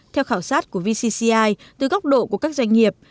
theo khảo sát của vcci từ góc độ của các doanh nghiệp